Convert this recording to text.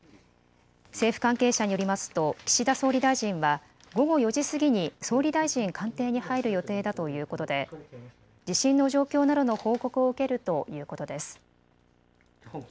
政府関係者によりますと岸田総理大臣は午後４時過ぎに総理大臣官邸に入る予定だということで地震の状況などの報告を受けるということです。